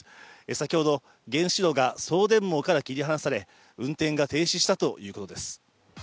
先ほど原子炉が送電網から切り離され、運転が停止したということです。